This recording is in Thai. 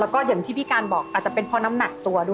แล้วก็อย่างที่พี่การบอกอาจจะเป็นเพราะน้ำหนักตัวด้วย